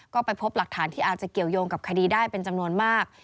ก็ไปพบหลักฐานที่อาจจะเกี่ยวยงกับคดีได้เป็นจำนวนมาก